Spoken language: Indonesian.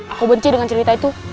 aku benci dengan cerita itu